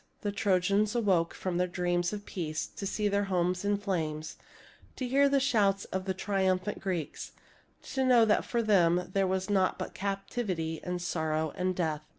The Trojans awoke from their dreams of peace to see their homes in flames, to hear the shouts of the triumphant Greeks, to know that for them there was naught but cap tivity and sorrow and death.